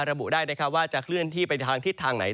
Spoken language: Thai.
จะระบุได้ว่าจะเคลื่อนที่ไปทางทิศทางไหน